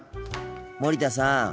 森田さん。